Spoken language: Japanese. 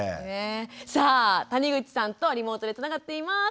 さあ谷口さんとリモートでつながっています。